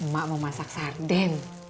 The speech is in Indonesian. mak mau masak sarden